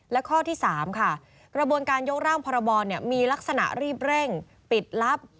และข้อที่๓ค่ะกระบวนการยกร่างพรบมีลักษณะรีบเร่งปิดลับ